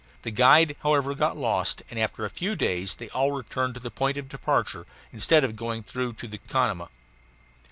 The guide, however, got lost, and after a few days they all returned to the point of departure instead of going through to the Canama.